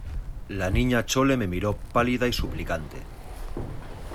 la Niña Chole me miró pálida y suplicante: